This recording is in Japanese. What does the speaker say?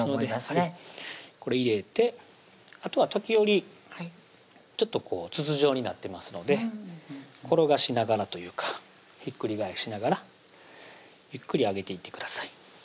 これ入れてあとは時折筒状になってますので転がしながらというかひっくり返しながらゆっくり揚げていってください